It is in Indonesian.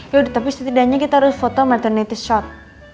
yaudah tapi setidaknya kita harus foto marten shot